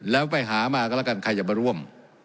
แล้วไปหามาก็แล้วกันใครจะมาร่วม